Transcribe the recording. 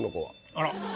あら。